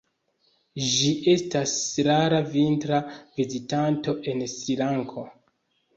Ĝi estas rara vintra vizitanto en Srilanko.